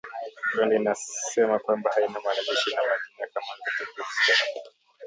Rwanda inasema kwamba haina mwanajeshi na majina kama hayo katika kikosi chake